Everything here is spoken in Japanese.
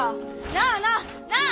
なあなあなあ！